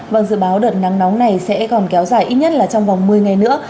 vâng dự báo đợt nắng nóng này sẽ còn kéo dài ít nhất là trong vòng một mươi ngày nữa